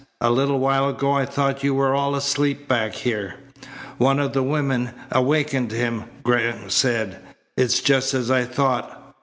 "A little while ago I thought you were all asleep back here." "One of the women awakened him," Graham said. "It's just as I thought."